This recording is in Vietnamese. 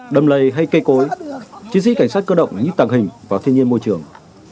đầm lầy hay cây cối chiến sĩ cảnh sát cơ động như tàng hình và thiên nhiên môi trường